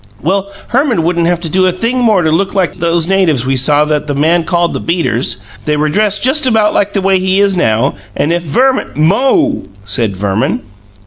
Well, Herman wouldn't have to do a thing more to look like those natives we saw that the man called the 'beaters'. They were dressed just about like the way he is now, and if Verman " "MO!" said Verman.